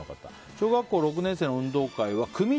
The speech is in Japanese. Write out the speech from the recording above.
小学校６年生の運動会は組み